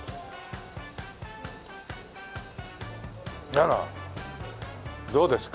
あらどうですか？